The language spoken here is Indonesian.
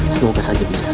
semoga saja bisa